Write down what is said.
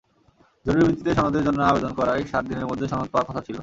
জরুরি ভিত্তিতে সনদের জন্য আবেদন করায় সাত দিনের মধ্যে সনদ পাওয়ার কথা ছিল।